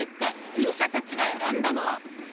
勇者たちが選んだのは。